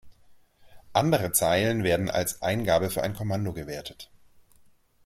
Andere Zeilen werden als Eingabe für ein Kommando gewertet.